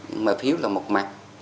nhưng mà phiếu là một mặt